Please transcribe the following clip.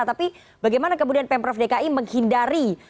tapi bagaimana kemudian pemprov dki menghindari